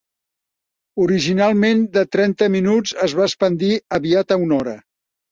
Originalment de trenta minuts, es va expandir aviat a una hora.